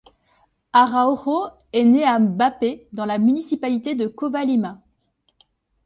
Araújo est né à Mape dans la municipalité de Cova Lima.